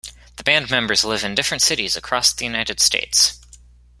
The band members live in different cities across the United States.